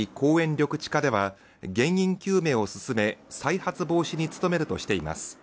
緑地課では原因究明を進め、再発防止に努めるとしています。